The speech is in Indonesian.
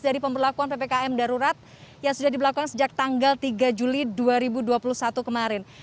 dari pemberlakuan ppkm darurat yang sudah diberlakukan sejak tanggal tiga juli dua ribu dua puluh satu kemarin